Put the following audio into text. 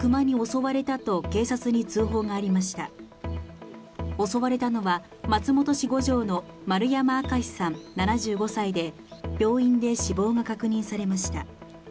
襲われたのは松本市の丸山明さん７５歳で病院で死亡が確認されました。